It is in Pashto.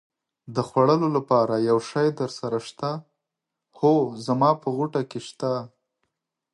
د خوړلو لپاره یو شی درسره شته؟ هو، زما په غوټه کې شته.